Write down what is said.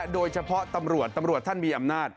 โดยเฉพาะตำรวจตำรวจท่านมีอำนาจ